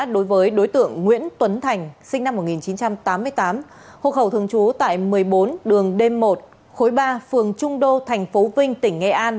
đối với đối tượng nguyễn tuấn thành sinh năm một nghìn chín trăm tám mươi tám hộ khẩu thường trú tại một mươi bốn đường đêm một khối ba phường trung đô thành phố vinh tỉnh nghệ an